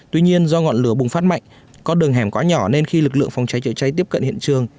tuy nhiên do ngọn lửa bùng phát mạnh con đường hẻm quá nhỏ nên khi lực lượng phòng cháy chữa cháy tiếp cận hiện trường